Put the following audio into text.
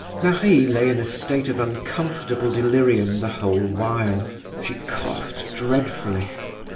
"Marie lay in a state of uncomfortable delirium the whole while; she coughed dreadfully.